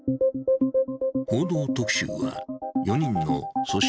「報道特集」は４人の組織